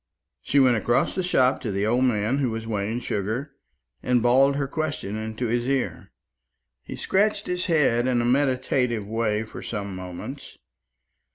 She went across the shop to the old man who was weighing sugar, and bawled her question into his ear. He scratched his head in a meditative way for some moments.